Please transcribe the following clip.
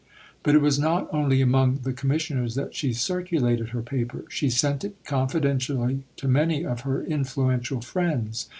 " But it was not only among the Commissioners that she circulated her Paper. She sent it confidentially to many of her influential friends.